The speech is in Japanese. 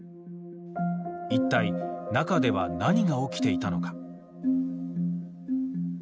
一体、中では何が起きていたのか。